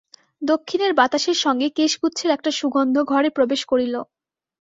দক্ষিণের বাতাসের সঙ্গে কেশগুচ্ছের একটা সুগন্ধ ঘরে প্রবেশ করিল।